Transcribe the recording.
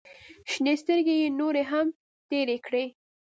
شنې سترګې يې نورې هم تېرې کړې.